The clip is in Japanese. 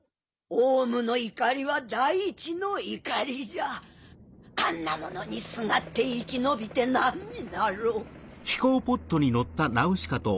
王蟲の怒りは大地の怒りじゃあんなものにすがって生き延びて何になろう。